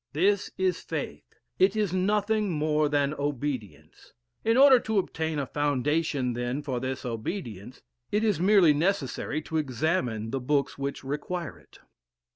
This is faith; it is nothing more than obedience. In order to obtain a foundation then for this obedience, it is merely necessary to examine the books which require it.